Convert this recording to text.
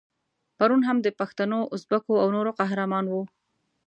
پرون هم د پښتنو، ازبکو او نورو قهرمان وو.